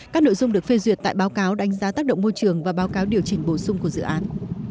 các nội dung được phê duyệt tại báo cáo đánh giá tác động môi trường và báo cáo điều chỉnh bổ sung của dự án